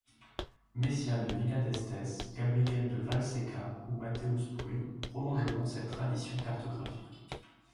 Mecia de Villadestes, Gabriel de Vallseca ou Matheus Prunes prolongeront cette tradition cartographique.